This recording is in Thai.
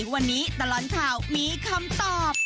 วันนี้ตลอดข่าวมีคำตอบ